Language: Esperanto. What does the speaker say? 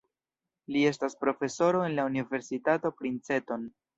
Li estas profesoro en la Universitato Princeton.